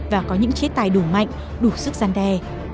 và có những chế tài đủ mạnh đủ sức gian đe